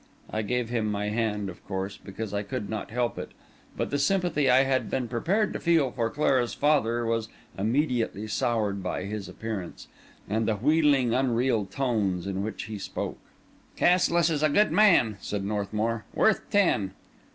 I gave him my hand, of course, because I could not help it; but the sympathy I had been prepared to feel for Clara's father was immediately soured by his appearance, and the wheedling, unreal tones in which he spoke. "Cassilis is a good man," said Northmour; "worth ten."